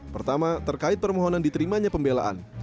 pertama terkait permohonan diterimanya pembelaan